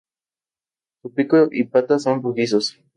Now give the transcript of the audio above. Su pico y patas son rojizos.